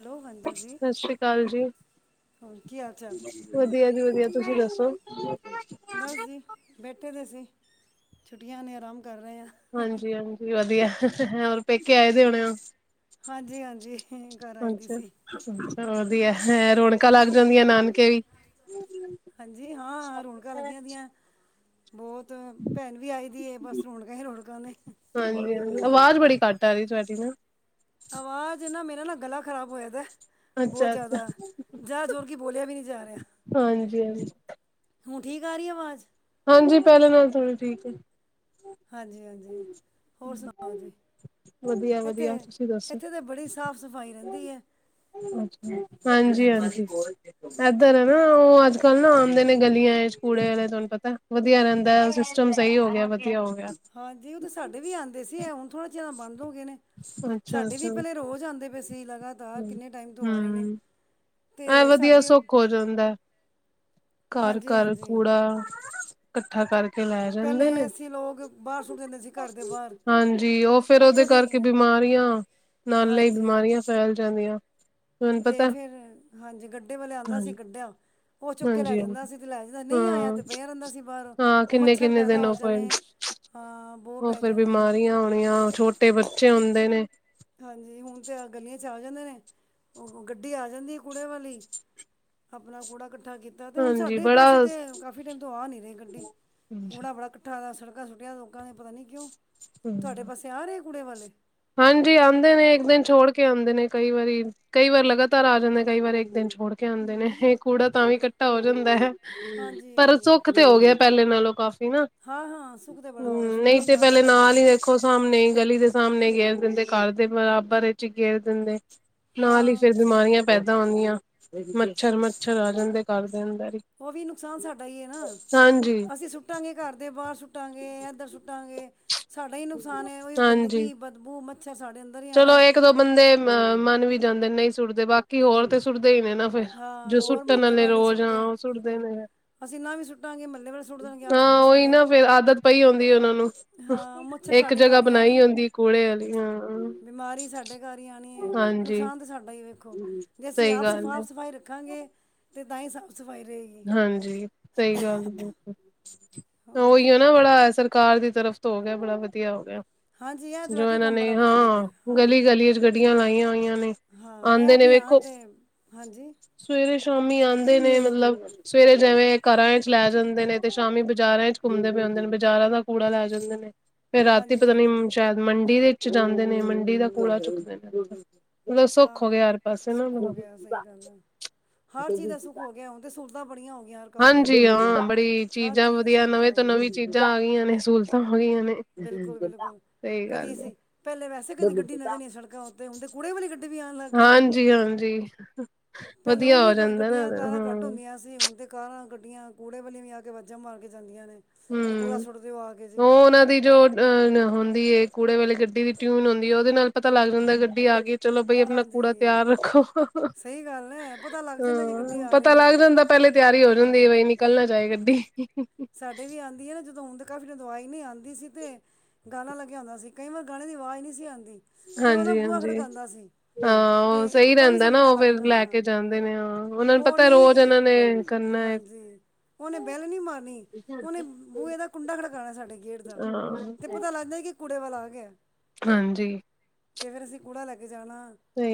Hello ਹਾਂਜੀ uncle ਜੀ ਸਤਿ ਸ੍ਰੀ ਕਾਲ ਜੀ। ਹੋਰ ਕੀ ਹਾਲ ਚਾਲ ਵਧੀਆ ਜੀ ਵਧੀਆ, ਤੁਸੀ ਦਸੋ? ਬਸ ਜੀ, ਬੈਠੇ ਦੇ ਸੀ, ਛੁੱਟੀਆਂ ਨੇ, ਆਰਾਮ ਕਰ ਰਏ ਆ। ਹਾਂਜੀ-ਹਾਂਜੀ ਵਧੀਆ ਏ, ਹੋਰ ਪੇਕੇ ਆਏ ਦੇ ਹੋਣੇ ਔ? ਹਾਂਜੀ ਹਾਂਜੀ ਘਰ ਆਈ ਦੀ ਅਛਾ, ਸੀ ਵਦੀਆ ਐ, ਰੌਣਕਾਂ ਲੱਗ ਜਾਂਦੀਆਂ ਨਾਨਕੇ ਵੀ। ਵਧੀਆ ਹਾਂਜੀ ਹਾਂ, ਰੌਣਕਾਂ ਲੱਗੀਆਂ ਬੋਤ, ਭੈਣ ਵੀ ਆਈ ਦੀ ਏ, ਬਸ ਰੌਣਕਾਂ ਈ ਰੌਣਕਾਂ ਨੇ। ਹਾਂਜੀ-ਹਾਂਜੀ, ਆਵਾਜ਼ ਬੜੀ ਘੱਟ ਆ ਰਈ ਤੁਹਾਡੀ ਨਾ? ਆਵਾਜ਼ ਨਾ, ਮੇਰਾ ਨਾ ਗਲਾ ਖਰਾਬ ਹੋਇਆ ਦਾ ਏ। ਬੌਹਤ ਅੱਛਾ-ਅੱਛਾ ਜਾਦਾ, ਜਾਦਾ ਜੋਰ ਕੀ, ਬੋਲਿਆ ਵੀ ਨਈ ਜਾ ਰਿਹਾ। ਹਾਂਜੀ-ਹਾਂਜੀ। ਹਾਂਜੀ ਹਾਂਜੀ ਹੁਣ ਠੀਕ ਆ ਰਈ ਹੈ ਆਵਾਜ਼? ਹਾਂਜੀ, ਪਹਿਲੇ ਨਾਲੋ ਥੋੜੀ ਠੀਕ ਏ। ਹਾਂਜੀ-ਹਾਂਜੀ, ਹੋਰ ਸੁਣਾਓ ਜੀ? ਏਥੇ, ਵਧੀਆ-ਵਧੀਆ ਤੁਸੀਂ ਦੱਸੋ? ਏਥੇ ਤੇ ਬੜੀ ਸਾਫ ਸਫਾਈ ਰਹਿੰਦੀ ਏ। ਅੱਛਾ, ਹਾਂਜੀ-ਹਾਂਜੀ। ਏਧਰ ਹੈ ਨਾ, ਉਹ ਅੱਜ ਕੱਲ੍ਹ ਨਾ ਆਂਦੇ ਨੇ ਗਲੀਆਂ ਇੱਚ ਕੂੜੇ ਵਾਲੇ, ਤੁਹਾਨੂੰ ਪ ਤਾ, ਵਧੀਆ ਰਹਿੰਦਾ ਏ, ਸਿਸਟਮ ਸਈ ਹੋ ਗਿਆ, ਵਧੀਆ ਹੋ ਗਿਆ। ਹਾਂਜੀ, ਉਹ ਤੇ ਸਾਡੇ ਵੀ ਆਉਂਦੇ ਸੀ, ਏਹ ਹੁਣ ਥੋੜ੍ਹਾ ਜੇਆ ਬੰਦ ਹੋ ਗਏ ਨੇ। ਸਾਡੇ ਵੀ ਅੱਛਾ-ਅੱਛਾ ਪੇਹਲੇ ਰੋਜ਼ ਆਂਦੇ ਪਏ ਸੀ ਲਗਾ ਹੂੰ, ਏਹ ਤੇ ਵਦੀਆ ਏ, ਸਾਡੇ ਸੁੱਖ ਔ ਜਾਂਦਾ ਏ। ਹਾਂਜੀ ਘਰ-ਘਰ ਹਾਂਜੀ ਕੂੜਾ। ਇਕੱਠਾ ਕਰਕੇ ਲੈ ਜਾਂਦੇ ਪਹਿਲੇ ਨੇ, ਅਸੀਂ ਲੋਕ ਬਾਹਰ ਸੁੱਟ ਦਿੰਦੇ ਸੀ ਘਰ ਦੇ ਬਾਹਰ ਹਾਂਜੀ, ਔਹ ਫੇਰ ਉਹਦੇ ਉੱਥੋਂ ਕਰਕੇ ਦੀ ਬਿਮਾਰੀਆਂ, ਨਾਲੇ ਈ ਹਾਂਜੀ ਬਿਮਾਰੀਆਂ ਫੈਲ ਜਾਂਦੀਆਂ। ਤੁਹਾਨੂੰ ਤੇ ਪਤਾ ਫੇਰ ਹਾਂਜੀ, ਗੱਡੇ ਵਾਲੇ ਆਂਦਾ ਸੀ, ਗੱਡਾ। ਉਹ ਚੁੱਕ ਕੇ ਲੈ ਹਾਂਜੀ-ਹਾਂਜੀ ਜਾਂਦਾ ਸੀ ਤੇ ਲੈ ਜਾਂਦਾ, ਨਈ ਆਇਆ ਤੇ ਹਾਂ-ਹਾਂ ਪਿਆ ਰਹਿੰਦਾ ਸੀ ਬਾਹਰ ਉਹ, ਔ ਮੱਛਰ ਕਿੰਨੇ-ਕਿੰਨੇ ਪੈਦਾ ਦਿਨ ਹੋ ਉਹ ਜਾਣੇ ਫਿਰ ਹਾਂ ਬੋ ਪੈ ਜਾਣੀ। ਤੇੇ ਬੱਚੇ ਹੁੰਦੇ ਨੇ। ਹਾਂਜੀ, ਹੁਣ ਤੇ ਆ ਗਲੀਆਂ ਇੱਚ ਆ ਜਾਂਦੇ ਨੇ, ਉਹ ਗੱਡੀ ਆ ਜਾਂਦੀ ਏ ਕੂੜੇ ਵਾਲੀ। ਆਪਣਾ ਕੂੜਾ ਇਕੱਠਾ ਕੀਤਾ, ਤੇ ਹੁਣ ਹਾਂਜੀ ਸਾਡੇ ਬੜਾ ਪਾਸੇ ਤੇ ਕਾਫੀ ਟਾਈਮ ਤੋਂ ਆ ਨਈ ਰਈ ਗੱਢੀ, ਕੂੜਾ ਬੜਾ ਇਕੱ ਇਕੱਠਾ ਦਾ ਸੜਕਾਂ ਸੁੱਟਿਆ ਲੋਕਾਂ ਨੇ, ਪਤਾ ਨਹੀਂ ਕਿਉਂ, ਤੁਹਾਡੇ ਪਾਸੇ ਆ ਰਹੇ ਕੂੜੇ ਵਾਲੇ। ਹਾਂਜੀ ਆਂਦੇ ਨੇ, ਇੱਕ ਦਿਨ ਛੋੜ ਕੇ ਆਂਦੇ ਨੇ, ਕਈ ਵਾਰੀ। ਕਈ ਵਾਰ ਲਗਾਤਾਰ ਆ ਜਾਂਦੇ, ਕਈ ਵਾਰ ਇੱਕ ਦਿਨ ਛੋੜ ਕੇ ਆਂਦੇ ਨੇ, ਇਹ ਕੂੜਾ ਤਾਂ ਵੀ ਇਕੱਠਾ ਹੋ ਜਾਂਦਾ ਐ। ਹਾਂਜੀ ਪਰ ਸੁੱਖ ਤੇ ਹੋ ਗਿਆ, ਪਹਿਲੇ ਨਾਲੋਂ ਕਾਫੀ ਨਾ। ਹਾਂ-ਹਾਂ ਸੁੱਖ ਤਾਂ ਬੜਾ ਹੋ ਗਿਆ, ਹਮ ਸੁੱਟਣ ਨਹੀਂ ਨੀ ਤੇ ਜਾਣਾ ਪਹਿਲੇ ਪੈਂਦਾ ਨਾਲ ਹੀ ਕਿਧਰੇ। ਦੇਖੋ ਸਾਹਮਣੇ ਗਲੀ ਦੇ ਸਾਹਮਣੇ ਗੇਰ ਦਿੰਦੇ, ਘਰ ਦੇ ਬਰਾਬਰ ਵਿੱਚ ਹੀ ਗੇਰ ਦਿੰਦੇ। ਨਾਲ ਹੀ ਹਾਂ ਫੇਰ ਸਹੀ ਬਿਮਾਰੀਆਂ ਪੈਦਾ ਹੁੰਦੀਆਂ, ਮੱਛਰ- ਮੱਛਰ ਆ ਜਾਂਦੇ ਘਰ ਦੇ ਅੰਦਰ ਹੀ। ਉਹ ਵੀ ਨੁਕਸਾਨ ਸਾਡਾ ਹੀ ਹੈ ਨਾ, ਹਾਂਜੀ ਅਸੀਂ ਸੁੱਟਾਂਗੇ ਘਰ ਦੇ ਬਾਹਰ ਸੁੱ ਸੁੱਟਾਂਗੇ ਏਧਰ ਸੁੱਟਾਂਗੇ, ਸਾਡਾ ਹੀ ਨੁਕਸਾਨ ਐ, ਹਾਂਜੀ ਗੰਦਗੀ, ਬਦਬੂ ਮੱਛਰ ਸਾਡੇ ਅੰਦ ਚਲੋ ਇੱਕ ਦੋ ਬੰਦੇ ਅ ਮੰਨ ਵੀ ਜਾਂਦੇ ਨੇ ਨਹੀਂ ਸੁੱਟਦੇ, ਬਾਕੀ ਹੋਰ ਤੇ ਸੁੱਟਦੇ ਹੀ ਨੇ ਨਾ। ਫੇਰ ਹਾਂ ਜੋ ਹੋਰ ਸੁੱਟਣ ਮਹੱਲੇ ਵਾਲੇ ਰੋਜ਼ ਆਂ, ਸੁੱਟਦੇ ਉਹ ਸੁੱਟਦੇ ਬਿਲਕੁਲ ਨੇ। ਅਸੀਂ ਨਾ ਵੀ ਸੁੱਟਾਂਗੇ ਮਹੱਲੇ ਵਾਲੇ ਸੁੱਟ ਦੇਣਗੇ ਆਸ ਹਾਂ ਪੜੋਸ ਉਹੀ ਵਾਲੇ ਨਾ, ਫੇਰ ਆਦਤ ਪਈ ਹੁੰਦੀ ਆ ਉਹਨਾ ਨੂੰ। ਹਾਂ ਮੱਛਰ ਇੱਕ ਸਾਡੇ ਜਗ੍ਹਾ ਘਰ ਹੀ ਬਣਾਈ ਆਉਣਾ ਹੁੰਦੀ ਕੂੜੇ ਆਲੀ, ਹਾਂ। ਬਿਮਾਰੀ ਸਾਡੇ ਘਰ ਹੀ ਆਣੀ ਏ, ਹਾਂਜੀ ਨੁਕਸਾਨ ਤਾਂ ਸਾਡਾ ਹੀ ਵੇਖੋ, ਜੇ ਅਸੀਂ ਸਹੀ ਆਪ ਗੱਲ ਹੈ ਸਫਾ ਸਫ਼ਾਈ ਰੱਖਾਂਗੇ, ਤੇ ਤਾਂ ਹੀ ਸਾਫ਼ ਸਫ਼ਾਈ ਰਹੇਗੀ। ਹਾਂਜੀ ਸਹੀ ਗੱਲ, ਹੋਰ ਉਹੀਓ ਨਾ ਬੜਾ ਅਸਰ ਘਰ ਦੀ ਤਰਫ਼ ਤੋਂ ਹੋ ਗਿਆ, ਬੜਾ ਵਧੀਆ ਹੋ ਗਿਆ। ਹਾਂਜੀ ਇਹ ਤਾਂ ਜੋ ਬਾਕੀ ਇਹਨਾਂ ਕੰਮ ਨੇ ਬੜਾ ਵਧੀਆ ਹਾਂ, ਕੀਤਾ ਹਾਂ ਗਲੀ- ਗਲੀ ਵਿੱਚ ਗੱਡੀਆਂ ਲਾਈਆਂ ਹੋਈਆਂ ਨੇ। ਹਾਂ, ਇਹ ਆਉਂਦੇ ਨੇ ਅਭਿਆਨ ਵੇਖੋ ਤੇ ਹਾਂਜੀ। ਸਵੇਰੇ- ਸ਼ਾਮੀ ਆਂਦੇ ਨੇ, ਮਤਲਬ ਸਵੇਰੇ ਜਿਵੇਂ ਘਰਾਂ ਵਿੱਚ ਲੈ ਜਾਂਦੇ ਨੇ, ਤੇ ਸ਼ਾਮੀ ਬਾਜ਼ਾਰਾਂ ਚ ਘੁੰਮਦੇ ਪਏ ਹੁੰਦੇ ਨੇ, ਬਜ਼ਾਰਾਂ ਦਾ ਕੂੜਾ ਲੈ ਜਾਂਦੇ ਨੇ। ਫੇਰ ਰਾਤੀ ਹਾਂਜੀ ਪਤਾ ਨੀ ਹਾਂਜੀ ਸ਼ਾਇਦ ਮੰਡੀ ਦੇ ਵਿੱਚ ਜਾਂਦੇ ਨੇ, ਮੰਡੀ ਦਾ ਕੂੜਾ ਚੁੱਕਦੇ ਨੇ। ਮਤਲਬ ਸੁੱਖ ਹਾਂ ਹੋ ਗਿਆ, ਹਰ ਪਾਸੇ ਨਾ। ਸੁੱਖ ਹੋ ਗਿਆ ਸਹੀ ਗੱਲ ਤੇ ਸਹੂਲਤਾਂ ਬੜੀਆਂ ਹੋ ਗਈਆਂ ਯਾਰ। ਹਾਂਜੀ ਹਾਂ, ਬੜੀ ਚੀਜ਼ਾਂ ਵਧੀਆ ਸਹੂਲਤਾਂ ਨਵੇਂ ਹੋ ਤੋਂ ਗਈਆਂ ਨਵੀਂ ਚੀਜ਼ਾਂ ਆ ਗਈਆਂ ਨੇ, ਸਹੂਲਤਾਂ ਹੋ ਗਈਆਂ ਨੇ। ਬਿਲਕੁਲ- ਬਿਲਕੁਲ, ਸਹੀ ਕਦੀ ਗੱਲ ਏ, ਅਸੀਂ ਪਹਿਲੇ ਵੈਸੇ ਕਦੀ ਗੱਡੀ ਨਜ਼ਰ ਨੀ ਸੜਕਾਂ ਉੱਤੇ, ਹੁਣ ਤੇ ਕੂੜੇ ਵਾਲੀ ਗੱਡੀ ਵੀ ਆਣ ਲੱਗ ਗਈ ਏ। ਜੀ ਹਾਂਜੀ। ਪਹਿਲੇ ਉਂਝ ਵਧੀਆ ਹੋ ਵੀ ਜਾਂਦਾ ਨਾ ਗੱਡੀਆਂ, ਕਾਰਾਂ ਘੱਟ ਹਾਂ। ਹੁੰਦੀਆਂ ਸੀ। ਤੇ ਹੁਣ ਤਾਂ ਕਾਰਾਂ, ਗੱਡੀਆਂ ਕੂੜੇ ਵਾਲੀਆਂ ਵੀ ਆ ਕੇ ਵਾਜਾਂ ਮਾਰ ਕੇ ਜਾਂਦੀਆਂ ਨੇ। ਵੀ ਕੂੜਾ ਹੂੰ, ਸੁੱਟ ਦਿਓ ਆ ਕੇ ਉਹ ਜੀ ਉਹਨਾਂ ਦੀ ਜੋ ਟਿਊਨ ਹੁੰਦੀ ਏ, ਕੂੜੇ ਵਾਲੇ ਗੱਡੀ ਦੀ ਟਿਊਨ ਹੁੰਦੀ ਏ, ਉਹਦੇ ਨਾਲ ਪਤਾ ਲੱਗ ਜਾਂਦਾ, ਗੱਡੀ ਆ ਗਈ ਏ। ਚਲੋ ਬਈ ਆਪਣਾ ਕੂੜਾ ਹਾਂਜੀ ਤਿਆਰ ਰੱਖੋ, ਸਹੀ ਗੱਲ ਹੈ ਪਤਾ ਲੱਗ ਜਾਂਦਾ ਕਿ ਗੱਡੀ ਹਾਂ ਆ ਪਤਾ ਰਹੀ ਹੈ ਲੱਗ ਜਾਂਦਾ। ਪਹਿਲੇ ਤਿਆਰੀ ਹੋ ਜਾਂਦੀ ਹਾਂ ਐ, ਬਈ ਨਿਕਲ ਨਾ ਜਾਏ ਗੱਡੀ। ਸਾਡੇ ਵੀ ਆਂਦੀ ਐ ਨਾ ਜਦੋਂ, ਹੁਣ ਤਾਂ ਕਾਫੀ ਟੈਮ ਤੋਂ ਆਈ ਨੀ, ਆਂਦੀ ਸੀ ਤੇ ਗਾਣਾ ਲੱਗਿਆ ਹੁੰਦਾ ਸੀ, ਕਈ ਵਾਰ ਗਾਣੇ ਦੀ ਆਵਾਜ਼ ਨਹੀਂ ਸੀ ਆਂਦੀ, ਤੇ ਉਹ ਨਾ ਹਾਂਜੀ ਬੂਹਾ ਹਾਂਜੀ, ਖੜਕਾਂਦਾਂ ਸੀ। ਹਾਂ ਉਹ ਤੇ ਸਹੀ ਤਾਂ ਵੀ ਰਹਿੰਦਾ ਸਾਨੂੰ ਨਾ, ਪਤਾ ਉਹ ਲੱਗ ਫਿਰ ਲੈ ਹਾਂ ਕੇ ਜਾਂਦੇ ਨੇ, ਹਾਂ ਉਹਨਾਂ ਨੂੰ ਉਹ ਪਤਾ ਰੋਜ਼ ਨਹੀਂ ਇਹਨਾਂ ਨੇ ਕਰਨਾ ਹੈ ਹਾਂਜੀ, ਉਹਨੇ ਬੈਲ ਨੀ ਮਾਰਨੀ। ਉਹਨੇ ਬੂਹੇ ਦਾ ਕੁੰਡਾ ਖੜਕਾਣਾ ਸਾਡੇ ਗੇਟ ਦਾ, ਹਾਂ। ਤੇ ਪਤਾ ਲੱਗਦਾ ਕਿ ਕੂੜੇ ਵਾਲਾ ਆ ਗਿਆ। ਹਾਂਜੀ। ਤੇ ਫੇਰ ਅਸੀਂ ਕੂੜਾ ਲੈ ਕੇ ਜਾਣਾ,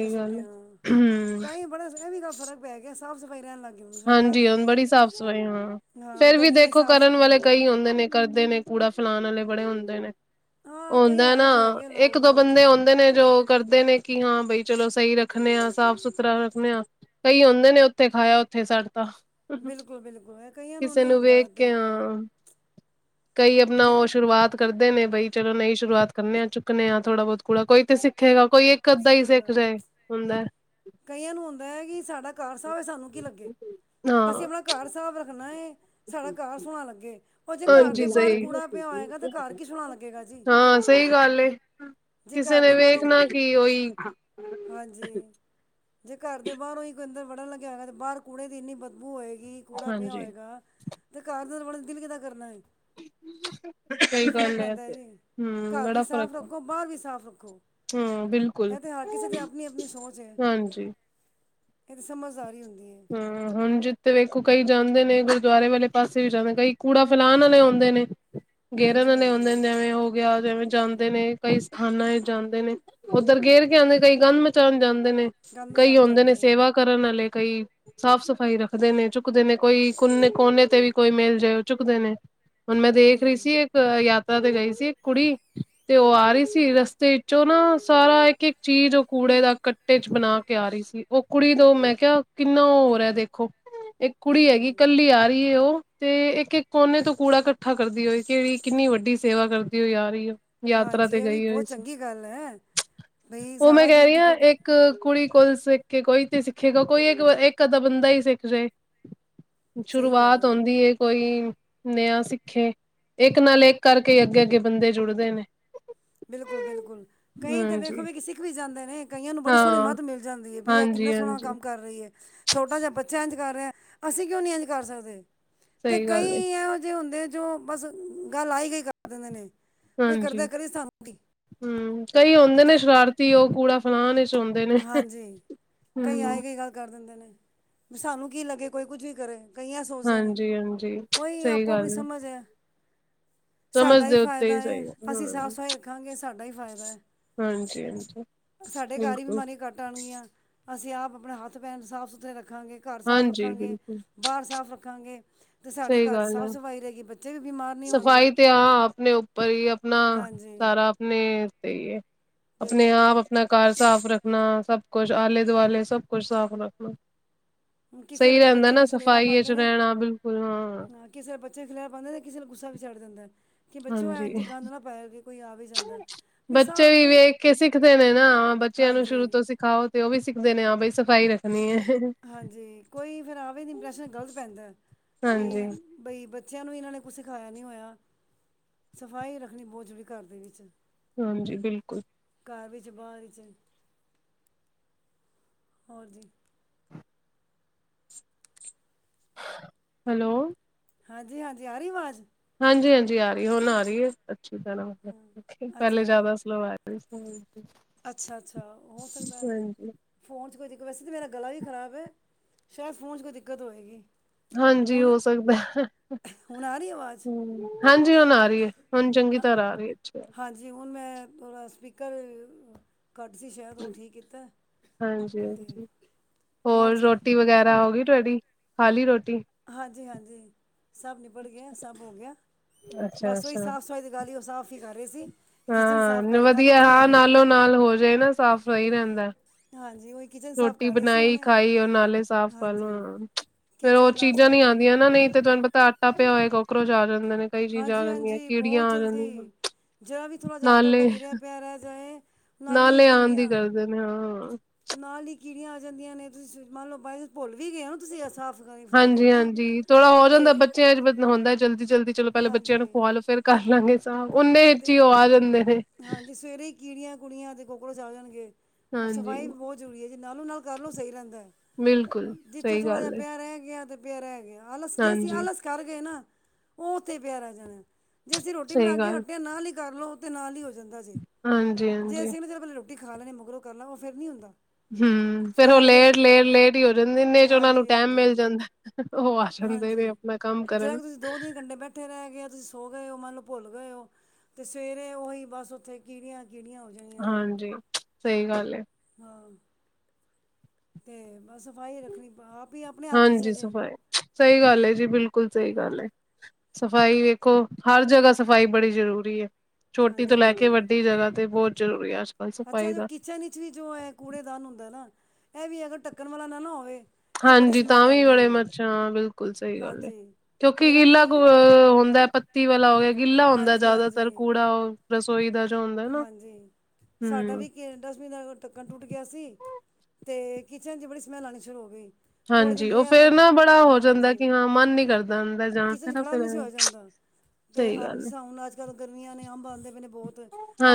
ਤੇ ਸੁੱਟੇ ਗੱਲ ਹੈ ਆਣਾ, ਹੂੰ। ਤਾਂਹੀ ਬੜਾ ਇਹ ਵੀ ਗੱਲ ਫ਼ਰਕ ਪੈ ਗਿਆ, ਸਾਫ਼ ਸਫ਼ਾਈ ਰਹਿ ਲੱਗ ਗਈ ਹੁਣ ਸੜਕਾਂ ਹਾਂਜੀ, 'ਤੇ ਹੁਣ ਵੀ ਬੜੀ ਸਾਫ਼ ਸਫ਼ਾਈ ਹਾਂ, ਹਾਂ ਫੇਰ ਵੀ ਗਲੀਆਂ 'ਚ ਦੇਖੋ ਸਾਫ਼ ਕਰਨ ਵਾਲੇ ਸਫਾਈ ਕਈ ਹੁੰਦੇ ਨੇ ਕਰਦੇ ਨੇ, ਕੂੜਾ ਫੈਲਾਣ ਵਾਲੇ ਬੜੇ ਹੁੰਦੇ ਨੇ। ਹਾਂ ਕਈ ਆਉਂਦਾ ਇਹੋ ਨਾ, ਜਿਹੇ ਹੈਗੇ ਇੱਕ ਲੋਕ ਦੋ ਬੰਦੇ ਹਾਂਜੀ ਆਉਂਦੇ ਨੇ, ਜੋ ਕਰਦੇ ਨੇ, ਕਿ ਹਾਂ ਬਈ ਚਲੋ ਸਹੀ ਰੱਖਣੇ ਆਂ, ਸਾਫ- ਸੁਥਰਾ ਰੱਖਣੇ ਆਂ। ਕਈ ਹੁੰਦੇ ਨੇ, ਉੱਥੇ ਖਾਇਆ ਉੱਥੇ ਛਡ ਤਾ। ਬਿਲਕੁਲ ਬਿਲਕੁਲ ਇਹ ਕਈਆਂ ਕਿਸੇ ਨਹੀਂ ਨੂੰ ਹੁੰਦਾ ਵੇਖ ਇਹ ਕੇ ਤਰੀਕਾ ਆਂ ਕਈ ਆਪਣਾ ਜੇ ਉਹ ਸ਼ੁਰੂਆਤ ਕਰਦੇ ਨੇ ਬਈ ਚਲੋ ਨਈ ਸ਼ੁਰੂਆਤ ਕਰਨੇ ਆ, ਚੁੱਕਣੇ ਆ ਥੋੜ੍ਹਾ ਬਹੁਤ ਕੂੜਾ ਕੋਈ ਤੇ ਸਿੱਖੇਗਾ, ਕੋਈ ਇੱਕ ਗੱਦਾ ਹੀ ਸਿੱਖੇਗਾ ਸਿੱਕਜਏ ਹੁੰਦਾ। ਕਈਆਂ ਨੂੰ ਹੁੰਦਾ ਹੈ ਕਿ, ਸਾਡਾ ਘਾਰ ਸਾਫ ਹੈ ਸਾਨੂੰ ਕੀ ਲੱਗੇ, ਅਸੀਂ ਹਾਂ। ਆਪਣਾ ਘਰ ਸਾਫ ਰੱਖਣਾ ਏ, ਸਾਡਾ ਘਰ ਸੋਹਣਾ ਲੱਗੇ। ਉਹ ਜੇ ਘਰ ਦੇ ਹਾਂਜੀ ਬਾਹਰ ਸਹੀ ਕੂੜਾ ਪਿਆ ਹੋਏਗਾ ਤੇ, ਘਰ ਕੀ ਸੋਹਣਾ ਲੱਗੇਗਾ ਜੀ। ਹਾਂ ਸਹੀ ਗੱਲ ਏ। ਜੇ ਕਿਸੇ ਘਰ ਨੇ ਦੇ ਬਾਹਰੋਂ ਵੇਖਣਾ ਕੀ, ਉਹੀ ਹਾਂਜੀ। ਜੇ ਘਰ ਦੇ ਬਾਹਰੋਂ ਹੀ ਕੋਈ ਅੰਦਰ ਵੜਨ ਲੱਗਿਆ ਹੋਇਆ, ਤੇ ਬਾਹਰ ਕੂੜੇ ਦੀ ਇੰਨੀ ਬਦਬੂ ਹੋਏਗੀ। ਕੂੜਾ ਪਿਆ ਹਾਂਜੀ ਹੋਏਗਾ, ਤੇ ਘਰ ਤੇ ਵੜਨ ਵੀ ਦਿਲ ਕਿਦਾ ਕਰਨਾ ਏ? ਇਹ ਸਹੀ ਵੀ ਫ਼ਰਕ ਗੱਲ ਪੈਂਦਾ ਹੈ ਤੇ ਜੀ, ਹਮ ਘਰ ਵੀ ਬੜਾ ਫ਼ਰਕ ਸਾਫ਼ ਪ ਰੱਖੋ, ਬਾਹਰ ਵੀ ਸਾਫ਼ ਰੱਖੋ। ਹਾਂ ਬਿਲਕੁਲ ਐ ਤੇ, ਹਰ ਕਿਸੇ ਦੀ ਆਪਣੀ-ਆਪਣੀ ਸੋਚ ਏ। ਹਾਂਜੀ ਇਹ ਤਾਂ ਸਮਝਦਾਰੀ ਹੁੰਦੀ ਏ। ਹਾਂ, ਹੁਣ ਜਿੱਥੇ ਵੇਖੋ ਕਈ ਜਾਂਦੇ ਨੇ, ਗੁਰਦੁਆਰੇ ਵਾਲੇ ਪਾਸੇ ਵੀ ਜਾਂਦੇ ਨੇ, ਕਈ ਕੂੜਾ ਫੈਲਾਣ ਵਾਲੇ ਹੁੰਦੇ ਨੇ। [inaudible] ਗੇਰਨਨੇ ਹੋਂਦੇਨ, ਹਾਂਜੀ ਜੈਂਵੇਂ ਓ ਗਿਆ, ਜੈਂਵੇਂ ਜਾਂਦੇ ਨੇ, ਕਈ ਸਥਾਨਾਂ ਤੇ ਜਾਂਦੇ ਨੇ। ਉੱਧਰ ਗੇਰ ਕੇ ਆਂਦੇ, ਕਈ ਗੰਧ ਮਚਾਉਣ ਜਾਂਦੇ ਨੇ, ਗੰਦ ਕਈ ਮਚਾਉਣ ਹੋਂਦੇ ਨੇ ਜਾਂਦੇ ਹੈ ਸੇਵਾ ਕਰਨ ਵਾਲੇ, ਕਈ ਸਾਫ਼-ਸਫ਼ਾਈ ਰੱਖਦੇ ਨੇ, ਚੁੱਕਦੇ ਨੇ, ਕੋਈ ਕੋਨੇ-ਕੋਨੇ ਤੇ ਵੀ ਕੋਈ ਮਿਲ ਜਾਏ ਓ ਚੁਕਦੇ ਨੇ। ਹੁਣ ਮੈਂ ਦੇਖ ਰਹੀ ਹਮ ਸੀ, ਇੱਕ ਯਾਤਰਾ ਤੇ ਗਈ ਸੀ ਇੱਕ ਕੁੜੀ ਤੇ ਉਹ ਆ ਰਹੀ ਸੀ, ਰਸਤੇ ਵਿੱਚੋਂ ਨਾ ਸਾਰਾ ਇੱਕ-ਇੱਕ ਚੀਜ਼ ਉਹ ਕੂੜੇ ਦਾ ਕ ਟੇ'ਚ ਬਣਾਕੇ ਆ ਰਹੀ ਸੀ, ਉਹ ਕੁੜੀ ਤੋਂ, ਮੈਂ ਕਿਹਾ ਕਿੰਨਾ ਓ ਹੋ ਰਿਹਾ ਦੇਖੋ, ਇੱਕ ਕੁੜੀ ਹੈਗੀ ਹਾਂਜੀ ਕੱਲੀ ਆ ਰਹੀ ਏ ਉਹ ਤੇ ਇੱਕ-ਇੱਕ ਕੋਨੇ ਤੋਂ ਕੂੜਾ ਇਕੱਠਾ ਕਰਦੀ ਹੋਈ, ਕਿਹੜੀ ਕਿੰਨੀ ਵੱਡੀ ਸੇਵਾ ਕਰਦੀ ਹੋਈ ਆ ਰਹੀ ਓ। ਯਾਤਰਾ ਹਾਂਜੀ ਤੇ ਇਹ ਵੀ ਗਈ ਹੋਈ ਬਹੁਤ ਸੀ, ਚੰਗੀ ਗੱਲ ਹੈ ਬਈ ਉਹ ਮੈਂ ਸਾਰਾ ਜੇ ਕਹਿ ਕੁਝ ਰਹੀ ਹਾਂ ਇੱਕ ਇੱਕ ਕੁੜੀ ਕੋਲ ਸਿੱਖਕੇ, ਕੋਈ ਤੇ ਸਿੱਖੇਗਾ, ਕੋਈ ਇੱਕ ਇੱਕ-ਅੱਧਾ ਬੰਦਾ ਹੀ ਸਿੱਖਜੇ, ਸਹੀ ਕਹਿ ਸ਼ੁਰੂਆਤ ਰਹੇ ਹੋ ਹੋਂਦੀ ਏ, ਕੋਈ ਨੇ ਆਂ ਸਿੱਖੇ, ਇੱਕ ਨਾਲ ਇੱਕ ਕਰਕੇ ਅੱਗੇ-ਅੱਗੇ ਬੰਦੇ ਜੁੜਦੇ ਨੇ। ਬਿਲਕੁਲ-ਬਿਲਕੁਲ। ਕਂਈ ਤੇ ਹਾਂਜੀ ਵੇਖੋ-ਵੇਖੀ ਸਿੱਖ ਵੀ ਜਾਂਦੇ ਨੇ, ਕਈਆਂ ਨੂੰ ਬੜੀ ਸੋਹਣੀ ਹਾਂ ਮੱਤ ਮਿਲ ਜਾਂਦੀ ਹੈ, ਵੀ ਇਹ ਕਿੰਨਾ ਸੋਹਣਾ ਹਾਂਜੀ-ਹਾਂਜੀ ਕੰਮ ਕਰ ਰਹੀ ਹੈ। ਛੋਟਾ ਜਿਹਾ ਬੱਚਾ ਇੰਝ ਕਰ ਰਿਹਾ, ਅਸੀਂ ਕਿਉਂ ਨਹੀਂ ਇੰਝ ਕਰ ਸਕਦੇ। ਤੇ ਸਹੀ ਕਈ ਗੱਲ ਏ ਇਹੋ ਜਿਹੇ ਹੁੰਦੇ ਜੋ, ਬਸ ਗੱਲ ਆਈ-ਗਈ ਕਰ ਦਿੰਦੇ ਨੇ। ਫਿਰ ਹਾਂਜੀ ਘਰਦੇ-ਘਰੀ ਸਬ। ਹੂੰ, ਕਈ ਹੁੰਦੇ ਨੇ ਸ਼ਰਾਰਤੀ ਉਹ ਕੂੜਾ ਫੇਲਾਨ ਵੀਚ ਹੁੰਦੇ ਨੇ ਹਾਂਜੀ, ਕਈ ਹੂੰ ਆਏ-ਗਈ ਗੱਲ ਕਰ ਦਿੰਦੇ ਨੇ, ਵੀ ਸਾਨੂੰ ਕੀ ਲੱਗੇ ਕੋਈ ਕੁਝ ਵੀ ਕਰੇ। ਕਈ ਐ ਸੋਚਦੇ ਨੇ, ਹਾਂਜੀ-ਹਾਂਜੀ ਓਈ ਸਹੀ ਆਪੋ-ਆਪਣੀ ਗੱਲ ਸਮਝ ਏ। ਸਮਝ ਸਾਡਾ ਹੀ ਦੇ ਉੱਤੇ ਫ਼ਾਇਦਾ ਹੈ, ਸਹੀ ਅਸੀਂ ਹੂੰ ਸਾਫ਼-ਸਫ਼ਾਈ ਰੱਖਾਂਗੇ, ਸਾਡਾ ਹੀ ਫਾਇਦਾ ਹੈ। ਹਾਂਜੀ-ਹਾਂਜੀ, ਸਾਡੇ ਘਰ ਹੀ ਬਿਲਕੁੱਲ। ਬਿਮਾਰੀਆਂ ਘੱਟ ਆਣਗੀਆਂ, ਅਸੀਂ ਆਪ ਆਪਣੇ ਹੱਥ-ਪੈਰ ਸਾਫ਼-ਸੁਥਰੇ ਰੱਖਾਂਗੇ, ਘਰ ਸਾਫ਼ ਹਾਂਜੀ ਰੱਖਾਂਗੇ। ਬਿਲਕੁਲ ਬਾਹਰ ਸਾਫ਼ ਰੱਖਾਂਗੇ। ਸਾਡੇ ਸਹੀ ਘਰ ਗੱਲ ਐ, ਸਾਫ਼ ਸਫਾਈ ਰਹੇਗੀ ਬੱਚੇ ਵੀ ਬਿਮਾਰ ਨਹੀਂ ਹੋਣਗੇ ਸਫ਼ਾਈ ਤੇ ਹਾਂ, ਆਪਣੇ ਉੱਪਰ ਹੀ ਅਪਣਾ ਹਾਂਜੀ ਸਾਰਾ ਨੇਲ ਤੇ ਯੇ ਬਿਲਕੁਲ ਅਪਣੇ-ਆਪ ਅਪਣਾ ਘਰ ਸਾਫ਼ ਰੱਖਣਾ, ਸਭ ਕੁੱਛ, ਆਲੇ-ਦੁਆਲੇ, ਸਭ ਕੁੱਛ ਸਾਫ਼ ਰੱਖਣਾ। ਹੁਣ ਕਿਸੇ ਸਹੀ ਵੇਲੇ ਰਹਿੰਦਾ ਬੱਚੇ ਨਾ ਵੀ ਖਲੇਰਾ ਸਫ਼ਾਈ ਵਿਚ ਪਾਉਂਦੇ ਨੇ ਰਹਿਣਾ, ਬਿਲਕੁੱਲ ਹਾਂ, ਕਿਸੇ ਦੇ ਬੱਚੇ ਖਿਲਾਰਾ ਪਾਂਦੇ ਤੇ ਕਿਸੇ ਨੁੰ ਗੁੱਸਾ ਵੀ ਚੜ੍ਹ ਜਾਂਦਾ। ਕਿ ਬੱਚਿਓ ਹਾਂਜੀ ਇੰਝ ਗੰਦ ਨਾ ਪਾਇਓ, ਜੇ ਕੋਈ ਆਵੇ ਬੱਚੇ ਵੀ ਵੇਖਕੇ ਸਿੱਖਦੇ ਨੇ ਨਾ, ਬੱਚਿਆਂ ਨੂੰ ਹਾਂਜੀ ਸ਼ੁਰੂ ਤੋਂ ਸਿਖਾਓ ਤੇ ਉਹ ਵੀ ਸਿੱਖਦੇ ਨੇ, ਹਾਂ ਬਈ ਸਫ਼ਾਈ ਰੱਖਣੀ ਏ। ਹੇਂ, ਹੇਂ ਹਾਂਜੀ, ਕੋਈ ਫਿਰ ਆਵੇ ਤ ਇੰਪਰੈਸ਼ਨ ਗਲਤ ਪੈਂਦਾ, ਕਿ ਹਾਂਜੀ ਬਈ, ਬੱਚਿਆਂ ਨੂੰ ਇਹਨਾਂ ਨੇ ਕੁਛ ਸਿਖਾਇਆ ਨਹੀਂ ਹੋਇਆ। ਸਫਾਈ ਰੱਖਣੀ ਬਹੁਤ ਜ਼ਰੂਰੀ ਘਰ ਦੇ ਵਿੱਚ। ਹਾਂਜੀ-ਬਿਲਕੁਲ। ਘਰ ਵਿੱਚ, ਬਾਹਰ ਵਿੱਚ। ਹੋਰ ਜੀ? ਹੈਲੋ। ਹਾਂਜੀ- ਹਾਂਜੀ ਆ ਰਹੀ ਆਵਾਜ਼। ਹਾਂਜੀ- ਹਾਂਜੀ ਆ ਰਹੀ ਹੈ। ਹੁਣ ਆ ਰਹੀ ਹੈ, ਅੱਛੀ ਤਰਾਂ ਪਹਿਲੇ ਅੱਛਾ ਜ਼ਿਆਦਾ ਸਲੋ ਆ ਰਹੀ। ਅਛਾ ਜੀ। ਅੱਛਾ- ਅੱਛਾ, ਹੋ ਸਕਦਾ ਹੈ। ਫੋਨ ਚ ਕੋਈ ਦਿੱਕਤ, ਵੈਸੇ ਤਾਂ ਮੇਰਾ ਗਲਾ ਵੀ ਖ਼ਰਾਬ ਹੈ। ਸ਼ਾਇਦ ਫੋਨ ਚ ਕੋਈ ਦਿੱਕਤ ਹੋਏਗੀ। ਹਾਂਜੀ, ਹੁਣ ਹੋ ਸਕਦਾ ਏ। ਹੁਣ ਆ ਰਹੀ ਆਵਾਜ਼ ਹੂੰ। ਹਾਂਜੀ, ਹੁਣ ਆ ਰਹੀ ਹੈ। ਹੁਣ ਚੰਗੀ ਹਾਂ ਤਰਾਂ ਆ ਰਹੀ ਹੈ। ਅੱਛੀ ਗੱਲ। ਹਾਂਜੀ, ਹੁਣ ਮੈਂ ਥੋੜਾ ਸਪੀਕਰ ਘੱਟ ਸੀ, ਸ਼ਾਇਦ। ਉਹ ਠੀਕ ਕੀਤਾ। ਹਾਂਜੀ ਅਤੇ ਹਾਂਜੀ ਹੋਰ, ਰੋਟੀ ਵਗੈਰਾ ਹੋ ਗਈ ਤੁਹਾਡੀ। ਖਾ ਲੀ ਰੋਟੀ? ਹਾਂਜੀ- ਹਾਂਜੀ, ਸਭ ਨਿਬੜ ਗਿਆ। ਸਭ ਹੋ ਗਿਆ। ਅੱਛਾ ਬਸ ਉਹੀ ਅੱਛਾ ਸਾਫ਼- ਸਫਾਈ ਦੀ ਗੱਲ ਹੀ। ਉਹ ਸਾਫ਼ ਹੀ ਕਰ ਰਹੇ ਸੀ। ਕਿਚਨ ਸਾਫ਼ ਹਾਂ ਕਰ ਗੱਲ ਵਧੀਆ। ਉੱਥੇ ਆ ਹਾਂ ਨਾਲੋਂ- ਨਾਲ ਹੋ ਜਾਏ ਨਾ। ਸਾਫ਼ ਸਹੀ ਰਹਿੰਦਾ। ਹਾਂਜੀ, ਉਹੀ। ਕਿਚਨ ਸਾਫ਼ ਰੋਟੀ ਕਰ ਰਹੇ ਸੀ ਬਣਾਈ ਹੁਣੇ ਖਾਈ। ਉਹ ਨਾਲੇ ਸਾਫ਼ ਕਰਲੋ। ਹਾਂਜੀ ਫੇਰ ਉਹ ਕਿਚਨ ਦਾ ਚੀਜ਼ਾਂ ਨੀ ਸਾਫ਼ ਆਉਂਦੀਆਂ ਨਾ। ਨਹੀਂ ਤੇ ਤੁਹਾਨੂੰ ਪਤਾ ਆਟਾ ਪਿਆ ਹੋਏਗਾ। ਕਾਕਰੋਚ ਆ ਜਾਂਦੇ ਨੇ। ਕਈ ਚੀਜ਼ਾਂ ਆ ਹਾਂਜੀ ਜਾਂਦੀਆਂ। ਕੀੜੀਆਂ ਆ ਜਾਂਦੀਆਂ ਹਨ। ਜਿਹੜਾ ਵੀ ਥੋੜਾ ਜਿਹਾ, ਆਟਾ- ਉਟਾ ਗਿਰਿਆ ਪਿਆ ਰਹਿ ਜਾਏ। ਹੀ ਨਾਲੇ ਆਉਣ ਦੀ ਕੀੜੀਆਂ ਕਰਦੇ ਨੇ, ਹਾਂ। ਨਾਲ ਹੀ, ਕੀੜੀਆਂ ਆ ਜਾਂਦੀਆਂ ਨੇ। ਤੁਸੀਂ ਮੰਨ ਲਓ ਭੁੱਲ ਵੀ ਗਏ ਹੋ, ਤੁਸੀਂ ਸਾਫ਼ ਸਫਾਈ ਹਾਂਜੀ- ਕਰਨਾ ਹਾਂਜੀ ਥੋੜਾ ਹੋ ਤੇ ਜਾਂਦਾ, ਬੱਚਿਆਂ ਚ ਹੁੰਦਾ ਜਲਦੀ- ਜਲਦੀ ਚਲੋ ਪਹਿਲਾਂ ਬੱਚਿਆਂ ਹਾਂਜੀ ਨੂੰ, ਖੁਵਾ ਲਓ। ਫੇਰ ਕਰ ਲਾਂਗੇ ਸਾਫ। ਓਨੇ ਵਿੱਚ ਹੀ ਤੇ ਉਹ ਆ ਜਾਂਦੇ ਨੇ। ਹਾਂਜੀ ਸਵੇਰੇ ਹੀ ਕੀੜੀਆਂ- ਕੁੜੀਆਂ ਤੇ ਕੋਕਰੋਚ ਆ ਜਾਣਗੇ। ਹੁਣ ਹਾਂਜੀ ਸਫਾਈ ਵੀ ਬਹੁਤ ਜ਼ਰੂਰੀ ਹੈ। ਜੇ ਨਾਲੋਂ- ਨਾਲ ਕਰ ਲਓ। ਸਹੀ ਰਹਿੰਦਾ ਬਿਲਕੁਲ ਜਿੱਥੇ ਸਹੀ ਥੋੜਾ ਜਿਹਾ ਗੱਲ ਏ ਪਿਆ ਰਹਿ ਗਿਆ। ਤੇ ਪਿਆ ਰਹਿ ਗਿਆ। ਆਲਸ ਜੇ ਅਸੀਂ ਹਾਂਜੀ ਆਲਸ ਕਰ ਗਏ ਨਾ। ਉਹ ਉੱਥੇ ਪਿਆ ਰਿਹ ਜਾਣਾ। ਜੇ ਅਸੀਂ ਰੋਟੀ ਬਣਾ ਸਹੀ ਕੇ ਗੱਲ ਹੱਟਿਆ। ਨਾਲ ਹੀ ਕਰ ਲਓ, ਤਾਂ ਨਾਲ ਹੀ ਹੋ ਜਾਂਦਾ ਜੇ, ਜੇ ਹਾਂਜੀ-ਹਾਂਜੀ ਅਸੀਂ ਉਹਦੇ ਬਲੇ ਰੋਟੀ ਰੋਟੀ ਖਾ ਲੈਣੇ, ਮਗਰੋਂ ਕਰਨਾ ਫੇਰ ਨਹੀਂ ਹੁੰਦਾ। ਹੂੰ, ਫੇਰ ਫਿਰ ਉਹ ਆਲੋ ਲੇਟ, ਫਿਰ ਲੇਟ, ਲੇਟ ਹੀ ਹੋ ਜਾਂਦੀ ਇੰਨੇ ਚੱ ਉਹਨਾ ਨੂੰ ਹਾਂਜੀ ਟਾਇਮ ਹਾਂਜੀ ਮਿਲ ਜਾਂਦਾ ਏ। ਉਹ ਹਸਣ ਦੇਏ ਨੇ। ਵੇ ਹਾਂਜੀ ਆਪਣਾ ਕੰਮ ਕਰਨ। ਉਥੇ ਰਹਿ ਗਿਆ। ਤੁਸੀਂ ਸੋ ਗਏ ਹੋ, ਮੰਨ ਲਓ ਭੁੱਲ ਗਏ ਹੋ, ਤੇ ਸਵੇਰੇ ਉਹੀ ਬਸ ਉੱਥੇ ਕੀੜੀਆਂ- ਕੀੜੀਆਂ ਹੋ- ਜਾਣੀਆਂ ਜੇ ਹਾਂਜੀ, ਸਹੀ ਗੱਲ ਹੈ। ਹਾਂ, ਤੇ ਬਸ ਸਫਾਈ ਰੱਖਣੀ ਆਪ। ਹੀ ਆਪਣੇ ਹੱਥ ਚ ਹਾਂਜੀ, ਹੈ ਜੇ ਸਫਾਈ ਸਹੀ ਗੱਲ ਹੈ, ਜੀ ਬਿਲਕੁਲ ਸਹੀ ਗੱਲ ਹੈ। ਸਫ਼ਾਈ ਵੇਖੋ ਹਰ ਜਗਾ, ਸਫ਼ਾਈ ਬੜੀ ਜ਼ਰੂਰੀ ਹੈ। ਛੋਟੀ ਤੋਂ ਹਾਂਜੀ ਲੈ ਕੇ ਹਾਂਜੀ ਵੱਡੀ ਜਗ ਤੇ, ਬਹੁਤ ਜ਼ਰੂਰੀ ਆ। ਅੱਛਾ ਜੇ ਕਿਚਨ ਵਿਚ ਵੀ, ਜੋ ਹੈ ਕੂੜੇਦਾਨ ਹੁੰਦਾ ਨਾ ਇਹ ਵੀ ਅਗਰ ਢੱਕਣ ਵਾਲਾ ਨਾ, ਨਾ ਹੋਵੇ। ਤੇ ਬੜੀ ਹਾਂਜੀ, ਤਾਂ ਸਮੈਲ ਵੀ ਆਉਂਦੀ ਬੜੇ ਹੈ ਮੱਛਰ ਹਾਂ, ਬਿਲਕੁਲ ਸਹੀ ਗੱਲ ਹੈ। ਹਾਂਜੀ ਕਿਉਂਕਿ ਮੇਰਾ ਵੀ ਗਿੱਲਾ ਹੁੰਦਾ, ਪੱਤੀ ਵਾਲਾ ਹੋ ਗਿਆ। ਗਿੱਲਾ ਹੁੰਦਾ ਹਾਂਜੀ ਜ਼ਿਆਦਾਤਰ ਹਾਂਜੀ ਕੂੜਾ। ਰਸੋਈ ਦਾ ਜੋ। ਹੁੰਦਾ ਨਾ ਹਾਂਜੀ, ਸਾਡਾ ਹੂੰ। ਵੀ ਕਿ ਡਸਬਿਨ ਦਾ ਧੱਕਣ ਟੁੱਟ ਗਿਆ ਸੀ। ਤੇ ਕਿਚਨ ਚ ਬੜੀ ਸਮੈਲ ਆਉਣੀ ਸ਼ੁਰੂ ਹੋ ਗਈ। ਥੋੜ੍ਹੇ ਦਿਨ ਹਾਂਜੀ ਉਹ ਰਿਹਾ ਫੇਰ ਪਰ ਨਾ ਬੜਾ ਹੋ ਜਾਂਦਾ। ਹਾਂਜੀ ਕਿ ਹਾਂ ਮਨ ਨੀ ਕਰਦਾ ਅੰਦ ਕਿਚਨ ਚ ਖੜਾ ਵੀ ਨਹੀਂ ਸ ਹੋਇਆ ਜਾਂਦਾ। ਤੇ ਸਹੀ ਅੰਬ ਗੱਲ ਹੈ ਹੁਣ ਅੱਜ ਕੱਲ ਗਰਮੀਆਂ ਨੇ, ਅੰਬ ਆਉਂਦੇ ਪਣੇ ਬਹੁਤ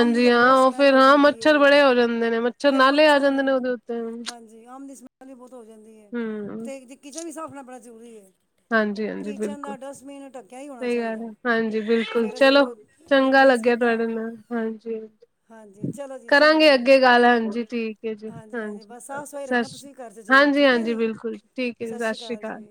ਆਮ ਦੀ ਤਾਂ ਹਾਂ ਬਹੁਤ ਉਹ ਸਮੈਲ ਫੇਰ ਹੋ ਹਾਂ ਜਾਂਦੀ ਮੱਛਰ ਹੈ। ਬੜੇ ਹੋ ਜਾਂਦੇ ਨੇ ਫੇਰ ਨਾਲੇ ਆ ਮੱਛਰ ਜਾਂਦੇ ਨੇ ਉਹਦੇ ਉੱਤੇ ਹਾਂਜੀ, ਆਮ ਦੀ ਸਮੈਲ ਵੀ ਬਹੁਤ ਹੋ ਜਾਂਦੀ ਹੈ। ਹਮ ਅਤੇ ਕਿਚਨ ਵੀ ਸਾਫ਼ ਕਰਣਾ ਬੜਾ ਜ਼ਰੂਰੀ ਹੈ। ਹਾਂਜੀ- ਹਾਂਜੀ, ਬਿਲਕੁਲ। ਦਸ ਮਿੰਟ ਸਹੀ ਗੱਲ ਹੈ। ਹਾਂਜੀ, ਬਿਲਕੁਲ ਅਸੀਂ ਚਲੋ ਉਹ ਚੰਗਾ ਰਿਪਲੇਸ ਲੱਗਿਆ ਕੀਤਾ ਤੁਹਾਡੇ ਨਾਲ ਹਾਂਜੀ। ਹਾਂਜੀ ਚਲੋ ਜੀ ਚੰਗਾ ਕਰਾਂਗੇ ਜੀ ਅੱਗੇ ਗੱਲ ਹਾਂਜੀ ਠੀਕ ਹੈ ਜੀ ਹਾਂਜੀ ਬਸ ਸਾਫ਼ ਸਫਾਈ ਸਤਿ ਰੱਖਣਾ ਸ਼੍ਰੀ ਤੁਸੀਂ ਘਰ 'ਚ ਅਕਾਲ। ਜ਼ਰੂਰ ਹਾਂਜੀ ਠੀਕ ਹੈ ਹਾਂਜੀ, ਜੀ ਬਿਲਕੁਲ ਠੀਕ ਐ ਜੀ ਸਤਿ ਸ਼੍ਰੀ ਅਕਾਲ।